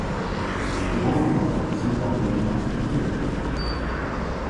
Wir hoffen das, sind aber nicht ganz überzeugt davon.